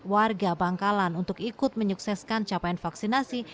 warga bangkalan untuk ikut menyukseskan capaian vaksinasi